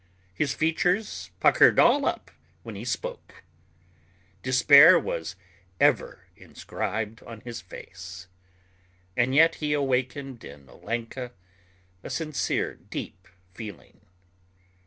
His features puckered all up when he spoke. Despair was ever inscribed on his face. And yet he awakened in Olenka a sincere, deep feeling.